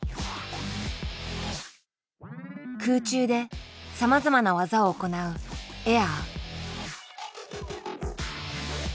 空中でさまざまな技を行うエア。